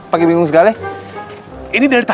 pudin gak mau dipecat